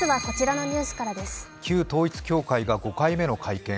旧統一教会が５回目の会見。